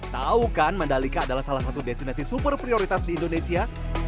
tahu kan mandalika adalah salah satu destinasi super prioritas di indonesia